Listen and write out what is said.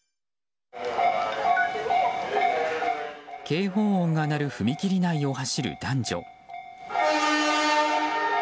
警報音が鳴る踏切内を走る男女。